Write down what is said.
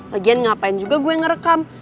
lagian ngapain juga gue yang ngerekam